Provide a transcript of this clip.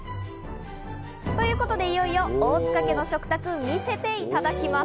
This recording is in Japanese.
ということで、いよいよ大塚家の食卓、見せていただきます。